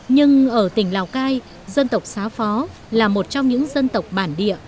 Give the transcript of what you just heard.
nhưng ở tỉnh lào cai dân tộc xá phó là một trong những dân tộc bản địa